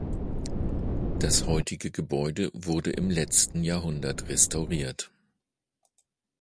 Das heutige Gebäude wurde im letzten Jahrhundert restauriert.